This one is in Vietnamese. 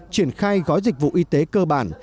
triển khai gói dịch vụ y tế cơ bản